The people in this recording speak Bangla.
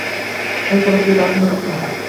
আমি প্রস্তুত, আমি নড়ছি না।